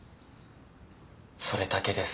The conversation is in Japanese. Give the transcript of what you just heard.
それだけです。